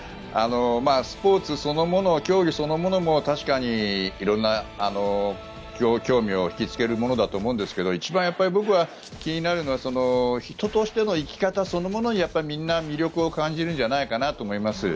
スポーツそのもの競技そのものも確かに色んな興味を引きつけるものだと思うんですが一番僕が気になるのは人としての生き方そのものにみんな魅力を感じるんじゃないかなと思います。